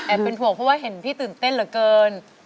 แอบเป็นห่วงแบบเห็นพี่ตื่นเต้นเหลอเกิน